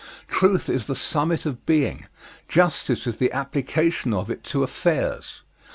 Truth is the summit of being: justice is the application of it to affairs.